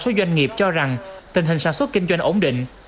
ba mươi bảy chín số doanh nghiệp cho rằng tình hình sản xuất kinh doanh ổn định